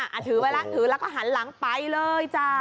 ถือไว้แล้วถือแล้วก็หันหลังไปเลยจ้า